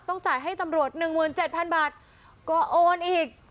จ่ายให้ตำรวจ๑๗๐๐บาทก็โอนอีก